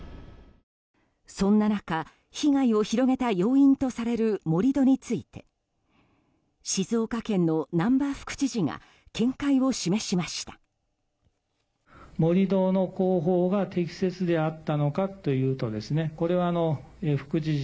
そんな中被害を広げた要因とされる盛り土について静岡県の難波副知事が見解を示しました。